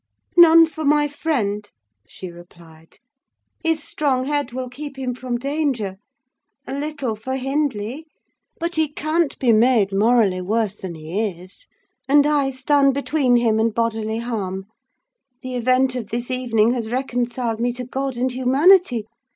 "None for my friend," she replied: "his strong head will keep him from danger; a little for Hindley: but he can't be made morally worse than he is; and I stand between him and bodily harm. The event of this evening has reconciled me to God and humanity!